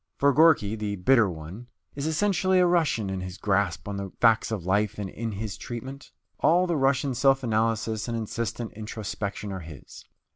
For Gorky, the Bitter One, is essentially a Russian in his grasp on the facts of life and in his treatment. All the Russian self analysis and insistent introspection are his.